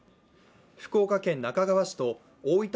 福岡県那珂川市と多い丈